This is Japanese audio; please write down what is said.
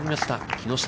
木下。